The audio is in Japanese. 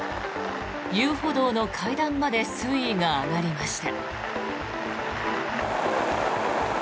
遊歩道の階段まで水位が上がりました。